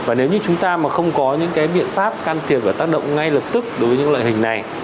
và nếu như chúng ta mà không có những cái biện pháp can thiệp và tác động ngay lập tức đối với những loại hình này